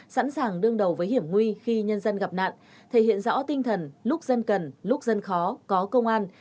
sẵn sàng đương đầu với hiểm nguy khi nhân dân gặp nạn thể hiện rõ tinh thần lúc dân cần lúc dân khó có công an